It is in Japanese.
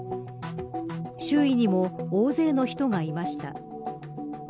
周囲にも大勢の人がいました。